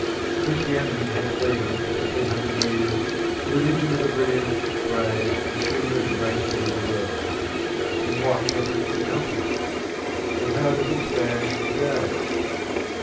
Christianity has been for fifteen hundred years the religion of the brilliant, brave, and strenuous races in the world. And what has it accomplished? And how does it stand to day?